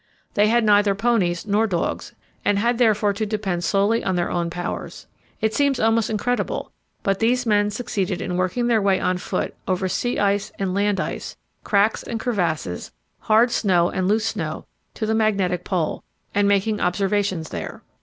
They had neither ponies nor dogs, and had therefore to depend solely on their own powers. It seems almost incredible, but these men succeeded in working their way on foot over sea ice and land ice, cracks and crevasses, hard snow and loose snow, to the Magnetic Pole, and making observations there.